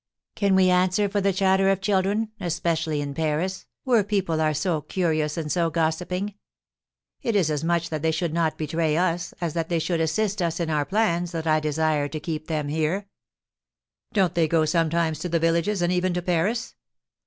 "Can we answer for the chatter of children, especially in Paris, where people are so curious and so gossiping? It is as much that they should not betray us, as that they should assist us in our plans, that I desire to keep them here." "Don't they go sometimes to the villages, and even to Paris?